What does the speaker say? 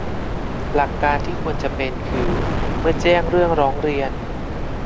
หลักการที่ควรจะเป็นคือ เมื่อแจ้งเรื่องร้องเรียน